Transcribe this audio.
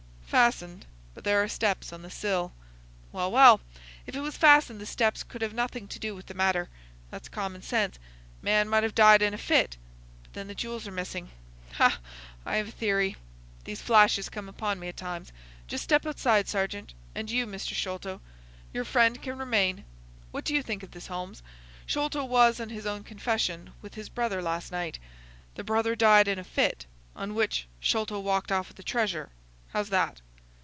"Fastened; but there are steps on the sill." "Well, well, if it was fastened the steps could have nothing to do with the matter. That's common sense. Man might have died in a fit; but then the jewels are missing. Ha! I have a theory. These flashes come upon me at times.—Just step outside, sergeant, and you, Mr. Sholto. Your friend can remain.—What do you think of this, Holmes? Sholto was, on his own confession, with his brother last night. The brother died in a fit, on which Sholto walked off with the treasure. How's that?"